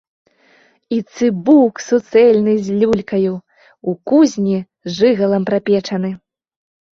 І цыбук суцэльны з люлькаю, у кузні жыгалам прапечаны.